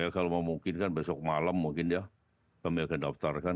kalau mau mungkin kan besok malam mungkin ya kami akan daftarkan